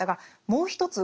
もう一つ